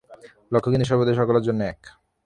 লক্ষ্য কিন্তু সর্বদাই সকলের জন্য এক।